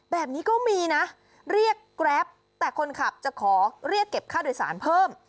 แบบนี้ก็มีนะเรียกแกรปแต่คนขับจะขอเรียกเก็บค่าโดยสารเพิ่ม